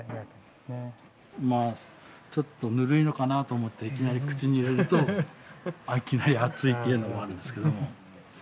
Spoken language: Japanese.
まあちょっとぬるいのかなと思っていきなり口に入れるといきなり熱いっていうのもあるんですけど。